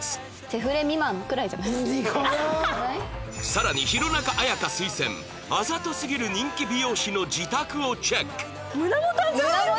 さらに弘中綾香推薦あざとすぎる人気美容師の自宅をチェック！